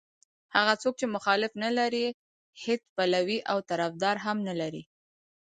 هغه څوک چې مخالف نه لري هېڅ پلوی او طرفدار هم نه لري.